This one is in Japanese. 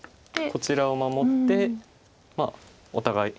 こちらを守ってお互い。